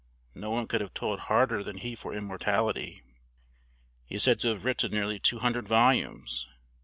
No one could have toiled harder than he for immortality. He is said to have written nearly two hundred volumes.